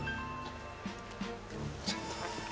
ちょっと。